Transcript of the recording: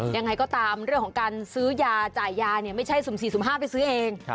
ยังไงก็ตามเรื่องของการซื้อยาจ่ายยาเนี่ยไม่ใช่สุ่ม๔สุ่ม๕ไปซื้อเอง